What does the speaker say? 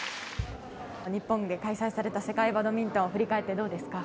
日本で開催された世界バドミントン振り返ってどうですか。